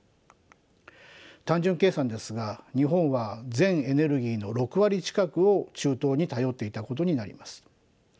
単純計算ですが日本は全エネルギーの６割近くを中東に頼っていたことになります。